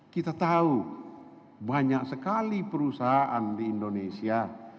kita tahu banyak sekali perusahaan di indonesia